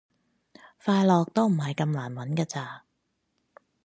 快樂，都唔係咁難搵㗎咋